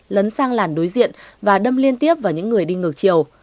lấn sang làn đối diện và đâm liên tiếp vào những người đi ngược chiều